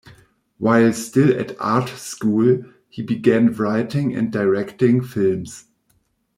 While still at art school he began writing and directing films.